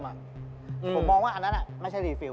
ผมมองว่าอันนั้นไม่ใช่รีฟิล